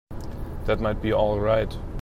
That might be all right.